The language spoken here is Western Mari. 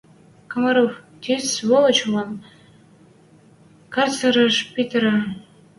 — Комаров, ти сволочьвлӓм карцерӹш питӹрӹ.